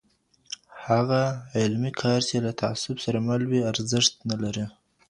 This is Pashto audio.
هغه علمي کار چي له تعصب سره مل وي ارزښت نه لري.